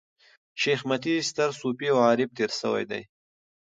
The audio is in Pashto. شېخ متي ستر صوفي او عارف تېر سوی دﺉ.